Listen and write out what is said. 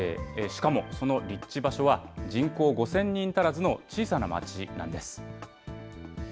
しかもその立地場所は、人口５０００人足らずの小さな町なんです。